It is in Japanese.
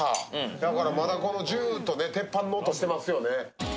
だから、まだジューッと鉄板の音してますよ。